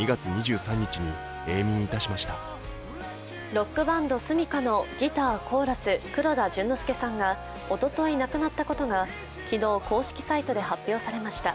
ロックバンド・ｓｕｍｉｋａのギター・コーラス黒田隼之介さんがおととい亡くなったことが昨日公式サイトで発表されました。